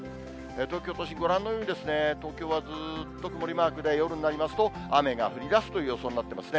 東京都心、ご覧のように、東京はずーっと曇りマークで、夜になりますと雨が降りだすという予想になってますね。